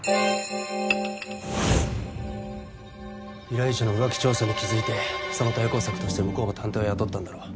依頼者の浮気調査に気付いてその対抗策として向こうも探偵を雇ったんだろう。